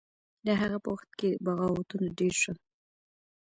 د هغه په وخت کې بغاوتونه ډیر شول.